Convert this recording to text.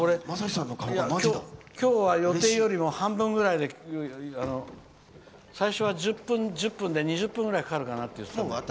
今日は予定よりも半分くらいで最初は１０分で２０分くらいかかるかなと思ったんだけど。